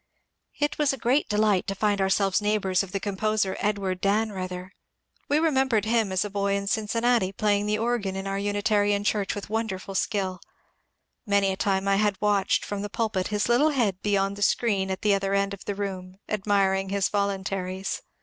It was a great delight to find ourselves neighbours of the composer Edward Dannreuther. We remembered him as a boj in Cincinnati playing the organ in our Unitarian church with wonderful skill. Many a time I had watched from the pulpit his little head beyond the screen at the other end of the room, admiring his voluntaries.